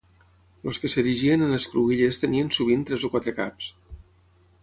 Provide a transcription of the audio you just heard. Els que s'erigien en les cruïlles tenien sovint tres o quatre caps.